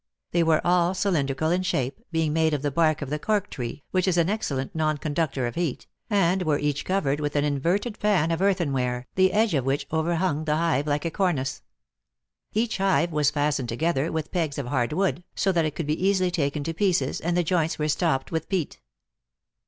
They were all cylindrical in shape, being made of the bark of the cork tree, which is an excellent non conductor of heat, and were each covered with an inverted pan of earthenware, the edge of which overhung the hive like a cornice. Each hive was fastened together with pegs of hard wood, so that it could be easily taken to pieces, and the joints were stopped with peat.